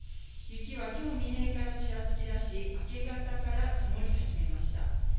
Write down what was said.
雪はきょう未明からちらつきだし、明け方から積もり始めました。